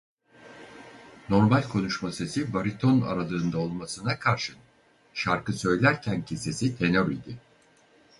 Normal konuşma sesi bariton aralığında olmasına karşın şarkı söylerkenki sesi tenor idi.